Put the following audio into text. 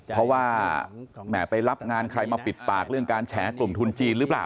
เพราะว่าแหมไปรับงานใครมาปิดปากเรื่องการแฉกลุ่มทุนจีนหรือเปล่า